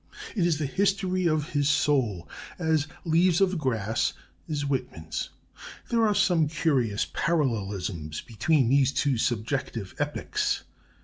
It is the history of his soul, as 'Leaves of Grass' is Whitman's there are some curious parallelisms between these two subjective epics.